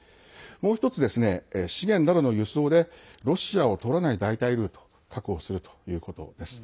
もう一つ、資源などの輸送でロシアを通らない代替ルートを確保するということです。